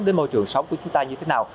đến môi trường sống của chúng ta như thế nào